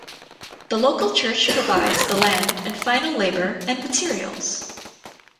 The local church provides the land and final labor and materials.